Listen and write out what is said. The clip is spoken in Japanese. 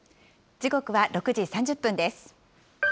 時刻は６時３０分です。